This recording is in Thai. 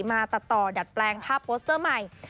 มาตัดต่อดัดแปลงภาพโปสเตอร์ใหม่